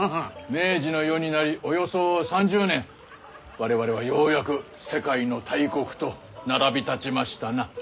明治の世になりおよそ３０年我々はようやく世界の大国と並び立ちましたな。